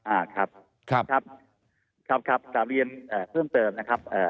อ่าครับครับครับกลับเรียนเอ่อเพิ่มเติมนะครับเอ่อ